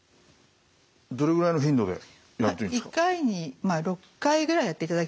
どれぐらいの頻度でやっていいんですか？